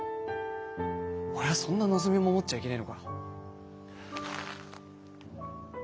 俺はそんな望みも持っちゃいけねえのか。